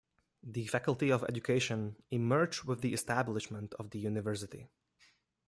The Faculty of Education emerged with the establishment of the university.